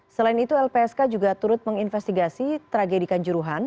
selain itu lpsk juga turut menginvestigasi tragedikan juruhan